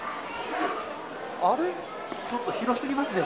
ちょっと広すぎますね